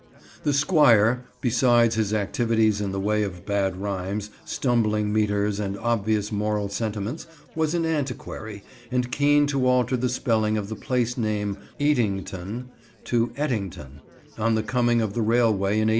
The Squire, besides his activities in the way of bad rhymes, stumbling metres, and obvious moral sentiments, was an antiquary, and keen to alter the spelling of the place name "Eatington" to "Ettington," on the coming of the railway in 1873.